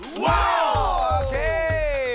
オーケー！